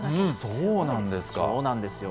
そうなんですよ。